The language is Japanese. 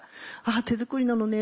「あ手作りなのね」